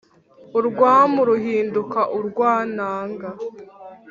urwamu ruhinduka urwanaga.